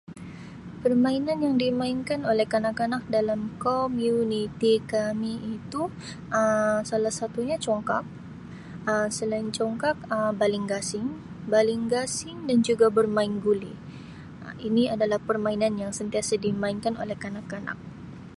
Permainan yang dimainkan oleh kanak-kanak dalam komuniti kami itu Um salah satunya congkak, Um selain congkak Um baling gasing, baling gasing dan juga bermain guli Um ini adalah permainan yang sentiasa dimainkan oleh kanak-kanak.